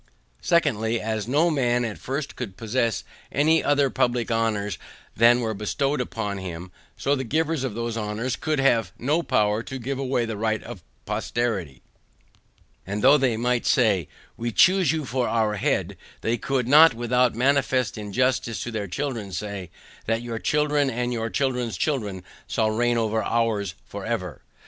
Secondly, as no man at first could possess any other public honors than were bestowed upon him, so the givers of those honors could have no power to give away the right of posterity, and though they might say "We choose you for OUR head," they could not, without manifest injustice to their children, say "that your children and your children's children shall reign over OURS for ever."